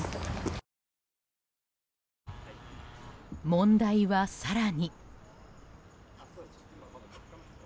問題は更に。